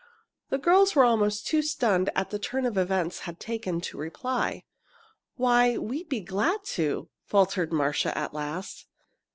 The girls were almost too stunned at the turn events had taken to reply. "Why we'd be glad to," faltered Marcia, at last.